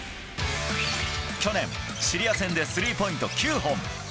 去年、シリア戦でスリーポイント９本。